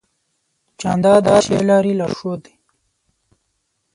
جانداد د ښې لارې لارښود دی.